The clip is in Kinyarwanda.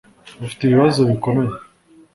ufite ibibazo bikomeye